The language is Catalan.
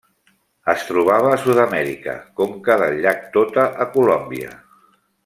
Es trobava a Sud-amèrica: conca del llac Tota a Colòmbia.